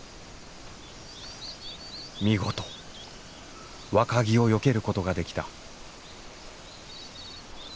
見事若木をよけることができた。